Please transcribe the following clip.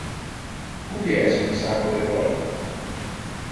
Ubi es mi sacco de golf?